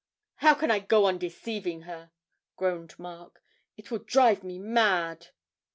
'How can I go on deceiving her?' groaned Mark; 'it will drive me mad!'